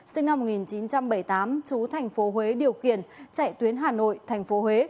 sinh năm một nghìn chín trăm bảy mươi tám trú tp huế điều kiện chạy tuyến hà nội tp huế